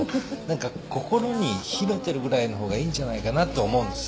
何か心に秘めてるぐらいの方がいいんじゃないかなと思うんです。